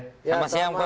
selamat siang prof